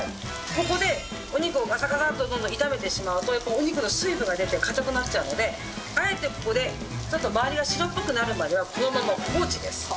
ここでお肉をガサガサッとどんどん炒めてしまうとやっぱりお肉の水分が出て硬くなっちゃうのであえてここでちょっと周りが白っぽくなるまではこのまま放置です。